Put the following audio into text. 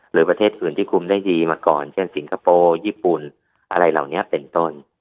ประเทศอื่นที่คุมได้ดีมาก่อนเช่นสิงคโปร์ญี่ปุ่นอะไรเหล่านี้เป็นต้น